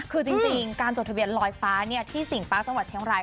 คือจริงการจดทะเบียนลอยฟ้าที่สิงฟ้าจังหวัดเชียงราย